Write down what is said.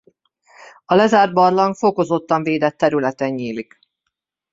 A lezárt barlang fokozottan védett területen nyílik.